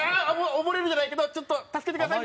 溺れるじゃないけど助けてください！